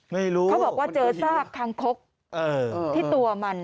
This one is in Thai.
ไม่รู้เขาบอกว่าเจอซากคางคกที่ตัวมัน